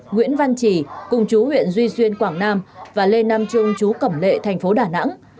nguyễn văn trì cùng chú huyện duy xuyên quảng nam và lê nam trung chú cẩm lệ thành phố đà nẵng